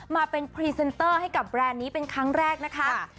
มาเป็นพรีเซนเตอร์ให้กับแบรนด์นี้เป็นครั้งแรกนะคะ